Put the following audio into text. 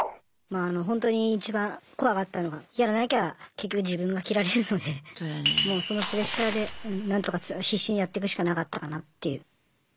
まあほんとにいちばん怖かったのがやらなきゃ結局自分が切られるのでもうそのプレッシャーで何とか必死にやってくしかなかったかなっていう。